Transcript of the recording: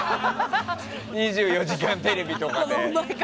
「２４時間テレビ」とかで。